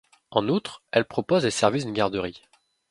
En outre, elle propose les services d'une garderie.